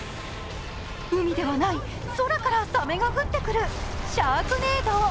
海ではない、空からサメが降ってくる「シャークネード」。